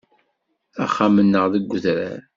Axxam-nneɣ deg udrar.